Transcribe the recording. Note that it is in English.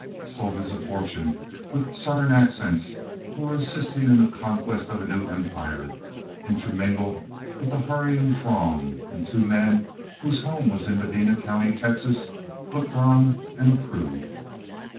Soldiers of fortune, with Southern accents, who were assisting in the conquest of a new empire, intermingled with the hurrying throng, and two men whose home was in Medina County, Texas, looked on and approved.